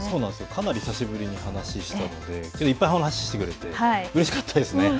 かなり久しぶりに話をしたのでいっぱい話してくれて、うれしかったですね。